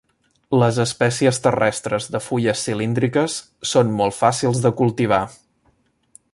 Les espècies terrestres de fulles cilíndriques són molt fàcils de cultivar.